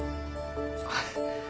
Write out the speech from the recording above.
はい。